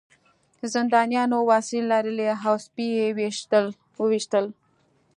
زندانیانو وسلې لرلې او سپي یې وویشتل